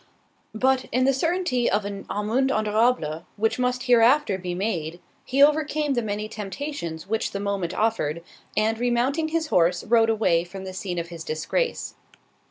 But, in the certainty of an amende honorable, which must hereafter be made, he overcame the many temptations which the moment offered, and re mounting his horse rode away from the scene of his disgrace.